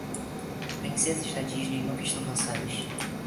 Princesas da Disney nunca estão cansadas.